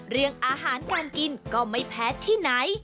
เรื่องอาหารการกินก็ไม่แพ้ที่ไหน